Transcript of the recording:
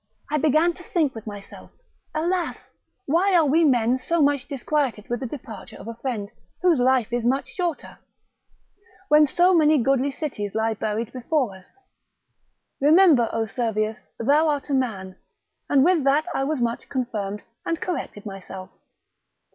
I began to think with myself, alas, why are we men so much disquieted with the departure of a friend, whose life is much shorter? When so many goodly cities lie buried before us. Remember, O Servius, thou art a man; and with that I was much confirmed, and corrected myself.